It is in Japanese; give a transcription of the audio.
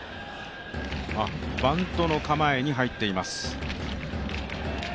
バントの構えに入っています。